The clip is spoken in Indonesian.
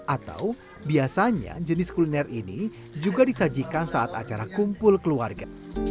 atau biasanya jenis kuliner ini juga disajikan saat acara kumpul keluarga